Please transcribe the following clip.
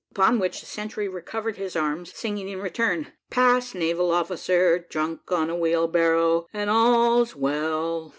Upon which, the sentry recovered his arms, singing in return, "Pass, naval officer, drunk on a wheelbarrow and all's well!"